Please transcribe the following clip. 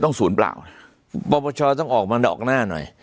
ต้องสูญปล่าวปรปชต้องออกมาเดร๊อกหน้าหน่อย